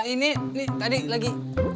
ini tadi lagi